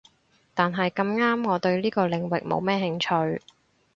但係咁啱我對呢個領域冇乜興趣